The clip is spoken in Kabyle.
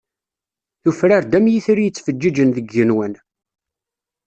Tufrar-d am yitri yettfeǧǧiǧen deg yigenwan.